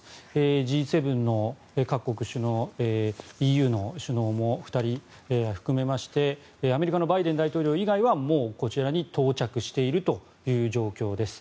Ｇ７の各国首脳ＥＵの首脳も２人含めましてアメリカのバイデン大統領以外はもうこちらに到着しているという状況です。